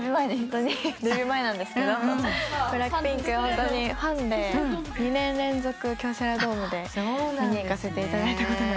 デビュー前なんですけどＢＬＡＣＫＰＩＮＫファンで２年連続京セラドームに見に行かせていただいたことがあります。